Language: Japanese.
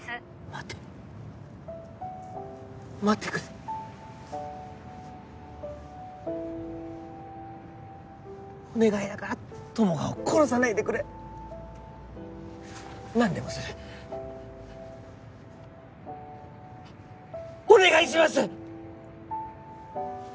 待て待ってくれお願いだから友果を殺さないでくれ何でもするお願いします！